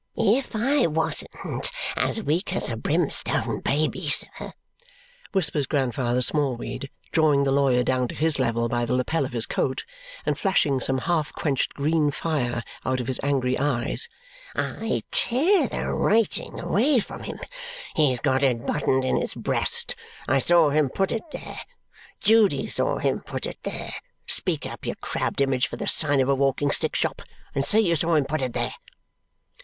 "If I wasn't as weak as a brimstone baby, sir," whispers Grandfather Smallweed, drawing the lawyer down to his level by the lapel of his coat and flashing some half quenched green fire out of his angry eyes, "I'd tear the writing away from him. He's got it buttoned in his breast. I saw him put it there. Judy saw him put it there. Speak up, you crabbed image for the sign of a walking stick shop, and say you saw him put it there!"